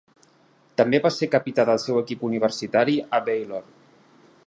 També va ser capità del seu equip universitari a Baylor.